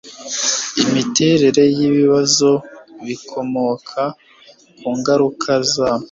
imiterere y ibibazo bikomoka ku ngaruka za